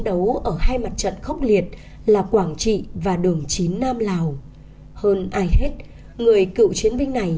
đấu ở hai mặt trận khốc liệt là quảng trị và đường chín nam lào hơn ai hết người cựu chiến binh này